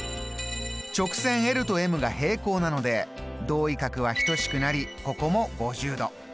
直線ｌとｍが平行なので同位角は等しくなりここも５０度。